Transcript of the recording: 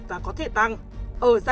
và có thể tăng